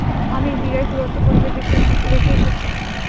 আমি হীরায় ক্ষুধার্ত পরিবার রেখে এসেছি।